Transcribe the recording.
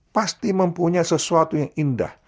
pasti mempunyai sesuatu yang indah